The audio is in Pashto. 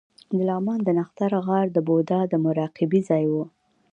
د لغمان د نښتر غار د بودا د مراقبې ځای و